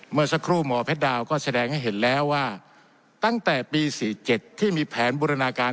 เมื่อสักครู่หมอเพชรดาวก็แสดงให้เห็นแล้วว่าตั้งแต่ปี๔๗ที่มีแผนบูรณาการ